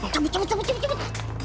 cabut cabut cabut